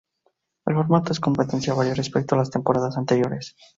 El formato de competencia varía respecto a las temporadas anteriores.